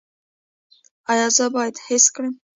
ایا زه باید حس کړم؟